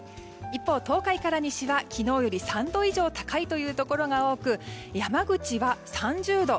一方、東海から西は昨日より３度以上高いというところが多く山口は３０度。